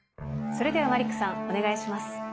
それではマリックさんお願いします。